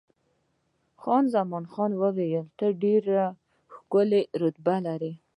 خان زمان وویل، ته ډېره ښکلې رتبه لرې.